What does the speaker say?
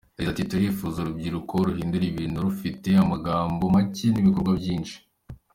Yagize ati “Turifuza urubyiruko ruhindura ibintu rufite amagambo make n’ibikorwa byinshi.